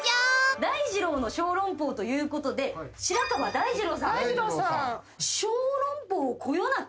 大二郎の小籠包ということで白川大二郎さん。